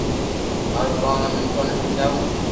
مارو ڪوم ھي مينکون ني ھمجاو